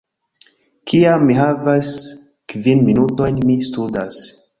Kiam mi havas kvin minutojn, mi studas